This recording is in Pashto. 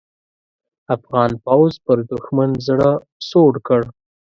افغان پوځ پر دوښمن زړه سوړ کړ.